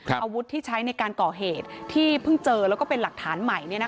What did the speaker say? อาวุธที่ใช้ในการก่อเหตุที่เพิ่งเจอแล้วก็เป็นหลักฐานใหม่